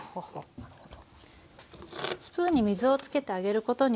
なるほど。